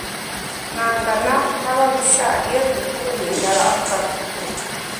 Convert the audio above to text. nangana nababisha iyo duhuye ndarakara